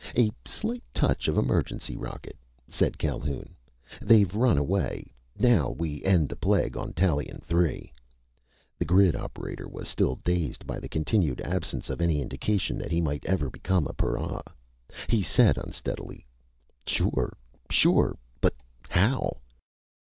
"A slight touch of emergency rocket," said Calhoun. "They've run away. Now we end the plague on Tallien Three." The grid operator was still dazed by the continued absence of any indication that he might ever become a para. He said unsteadily: "Sure! Sure! But how?"